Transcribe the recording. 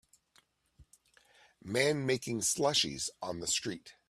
Man making slushies on th street